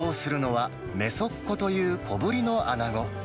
使用するのは、めそっこという小ぶりのアナゴ。